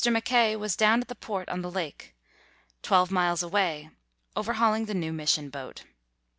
Mackay was down at the port on the lake, twelve miles away, overhauling the new mis sion boat.